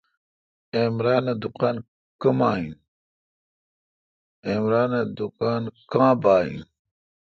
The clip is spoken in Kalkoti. عمرانہ دکان کمااین۔۔عمران اے° دکان کاں بااین